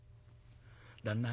旦那。